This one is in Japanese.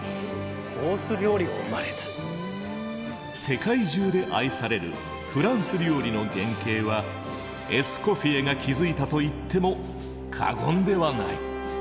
世界中で愛されるフランス料理の原型はエスコフィエが築いたと言っても過言ではない。